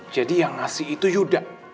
jadi yang ngasih itu yuda